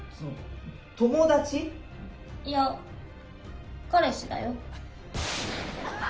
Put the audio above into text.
いや、彼氏だよ。